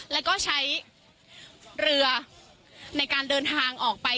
แล้วก็ใช้เรือในการเดินทางออกไป